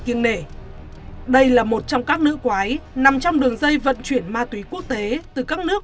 riêng nể đây là một trong các nữ quái nằm trong đường dây vận chuyển ma túy quốc tế từ các nước